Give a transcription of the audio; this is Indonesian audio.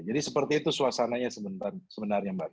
jadi seperti itu suasananya sebenarnya mbak